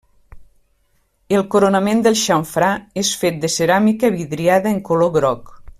El coronament del xamfrà és fet de ceràmica vidriada de color groc.